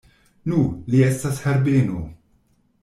Nu, li estas Herbeno!